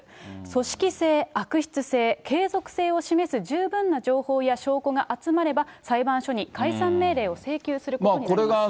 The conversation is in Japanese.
組織性、悪質性、継続性を示す十分な情報や証拠が集まれば裁判所に解散命令を請求することになります。